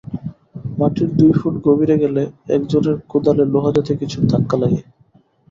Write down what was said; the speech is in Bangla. মাটির দুই ফুট গভীরে গেলে একজনের কোদালে লোহা জাতীয় কিছুর ধাক্কা লাগে।